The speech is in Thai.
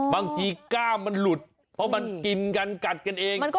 ก้ามมันหลุดเพราะมันกินกันกัดกันเอง